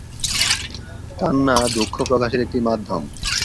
কান্না দুঃখ প্রকাশের একটি মাধ্যম।